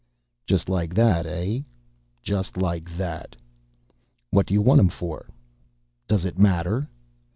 "Just like that, eh?" "Just like that." "What do you want 'em for?" "Does it matter?"